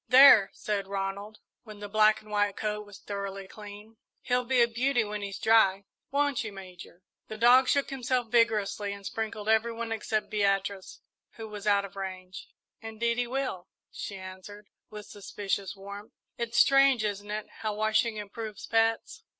"There," said Ronald, when the black and white coat was thoroughly clean, "he'll be a beauty when he's dry won't you, Major?" The dog shook himself vigorously and sprinkled every one except Beatrice, who was out of range. "Indeed he will," she answered, with suspicious warmth. "It's strange, isn't it, how washing improves pets?"